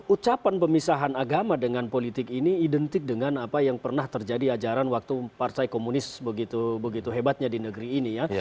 ucapan pemisahan agama dengan politik ini identik dengan apa yang pernah terjadi ajaran waktu partai komunis begitu begitu hebatnya di negeri ini ya